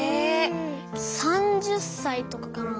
３０歳とかかな？